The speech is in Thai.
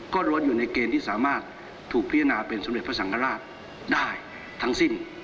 ก็ล้วนอยู่ในเกณฑ์ที่สามารถถูกพิจารณาเป็นสมเด็จพระสังฆราชได้ทั้งสิ้น